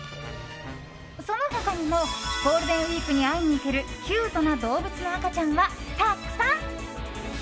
その他にもゴールデンウィークに会いに行けるキュートな動物の赤ちゃんはたくさん。